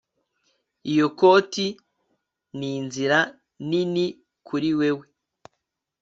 Iyo koti ninzira nini kuri wewe